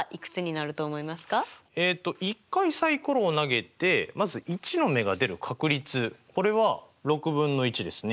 えっと１回サイコロを投げてまず１の目が出る確率これは６分の１ですね。